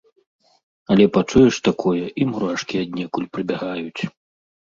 Але пачуеш такое, і мурашкі аднекуль прыбягаюць.